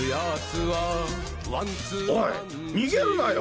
おい、逃げるなよ！